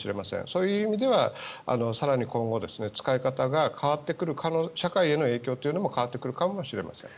そういう意味では、更に今後使い方が変わってくる社会への影響というのも変わってくるかもしれません。